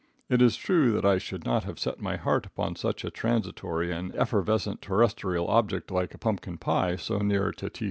It is true that I should not have set my heart upon such a transitory and evanescent terrestrial object like a pumpkin pie so near to T.